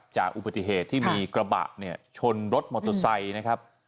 จากอุปสรรคที่มีกระบะชนรถมอโตซัยนะครับ